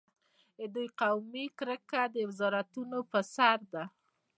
د دوی قومي کرکه د وزارتونو پر سر ده.